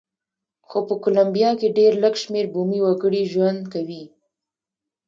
خو په کولمبیا کې ډېر لږ شمېر بومي وګړي ژوند کوي.